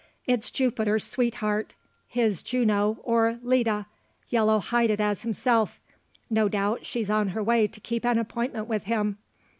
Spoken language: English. "It's Jupiter's sweetheart; his Juno or Leda, yellow hided as himself. No doubt she's on her way to keep an appointment with him?